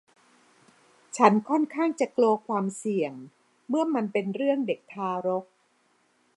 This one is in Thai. ฉันค่อนข้างจะกลัวความเสี่ยงเมื่อมันเป็นเรื่องเด็กทารก